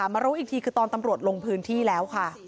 มารู้อีกทีคือตอนตำรวจลงพื้นที่แล้วค่ะ